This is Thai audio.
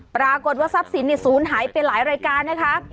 ปรากฏว่าทรัพย์สินศูนย์หายไปหลายรายการนะคะ